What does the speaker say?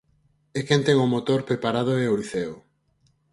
E quen ten o motor preparado é o Liceo.